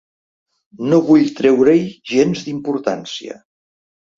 No vull treure-hi gens d’importància.